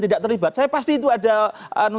tidak terlibat saya pasti itu ada